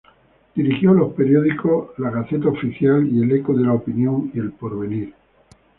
Dirigió los periódicos "La Gaceta Oficial", el "Eco de la Opinión" y "El Porvenir".